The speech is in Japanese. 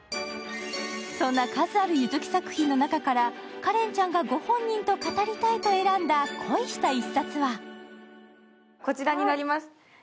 そんな数ある柚木作品の中から花恋ちゃんがご本人と語りたいと選んだ、恋した一冊はこちらになります、